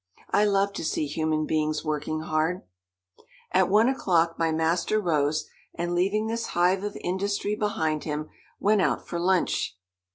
I love to see human beings working hard. At one o'clock my master rose, and leaving this hive of industry behind him, went out for lunch.